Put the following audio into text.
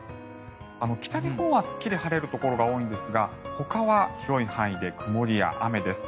北日本はすっきり晴れるところが多いんですがほかは広い範囲で曇りや雨です。